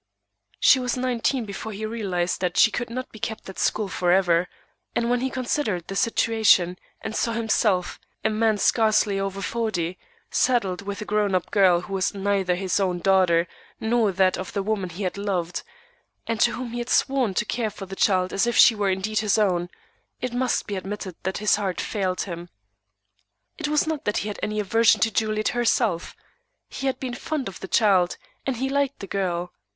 She was nineteen before he realized that she could not be kept at school for ever; and when he considered the situation, and saw himself, a man scarcely over forty, saddled with a grown up girl, who was neither his own daughter nor that of the woman he had loved, and to whom he had sworn to care for the child as if she were indeed his own, it must be admitted that his heart failed him. It was not that he had any aversion to Juliet herself. He had been fond of the child, and he liked the girl.